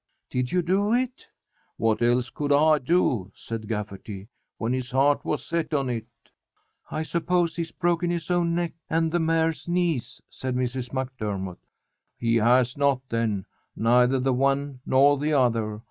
"Did you do it?" "What else could I do," said Gafferty, "when his heart was set on it?" "I suppose he's broken his own neck and the mare's knees," said Mrs. MacDermott. "He has not then. Neither the one nor the other.